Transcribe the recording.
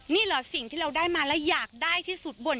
นี่เหรอสิ่งที่เราได้มาแล้วอยากได้ที่สุดบ่น